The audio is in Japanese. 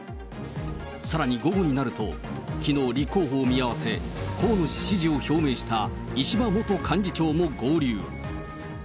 さらに午後になると、きのう、立候補を見合わせ、河野氏支持を表明した石破元幹事長も合流。